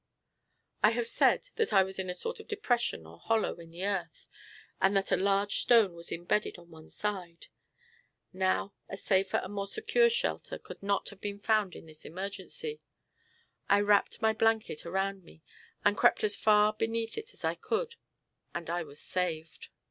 I have said that I was in a sort of depression or hollow in the earth, and that a large stone was imbedded on one side. Now a safer and more secure shelter could not have been found in this emergency. I wrapped my blanket around me, and crept as far beneath it as I could, and I was saved!